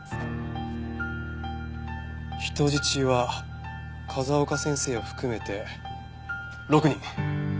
人質は風丘先生を含めて６人。